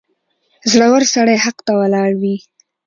• زړور سړی حق ته ولاړ وي.